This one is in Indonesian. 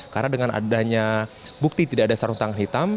karena dengan adanya bukti tidak ada sarung tangan hitam